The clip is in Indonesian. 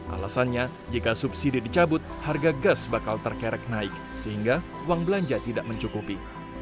alasannya jika subsidi dicabut harga gas bakal terkerek naik sehingga uang belanja tidak mencukupi